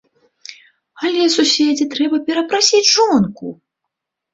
Але, суседзе, трэба перапрасіць жонку!